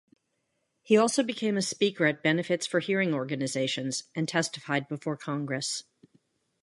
He also became a speaker at benefits for hearing organizations, and testified before Congress.